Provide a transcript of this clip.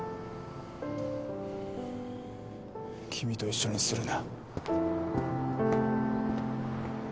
君と一緒にするな。